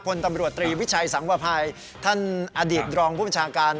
พลตำรวจตรีวิชัยสังวภัยท่านอดีตรองผู้บัญชาการ